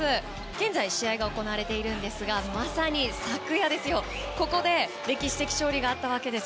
現在試合が行われているんですがまさに昨夜、ここで歴史的勝利があったわけです。